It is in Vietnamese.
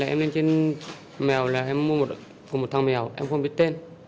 em lên trên mèo là em mua một thò mèo em không biết tên